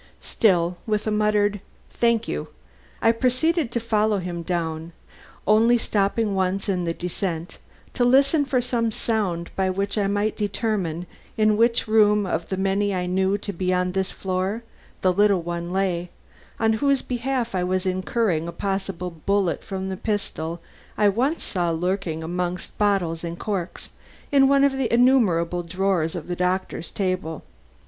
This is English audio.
Still, with a muttered, "Thank you," I proceeded to follow him down, only stopping once in the descent to listen for some sound by which I could determine in which room of the many I knew to be on this floor the little one lay, on whose behalf I was incurring a possible bullet from the pistol I once saw lurking amongst bottles and corks in one of the innumerable drawers of the doctor's table.